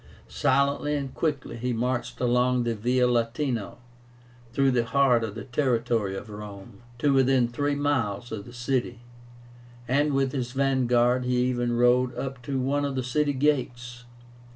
Silently and quickly he marched along the Via Latino through the heart of the territory of Rome, to within three miles of the city, and with his vanguard he even rode up to one of the city gates.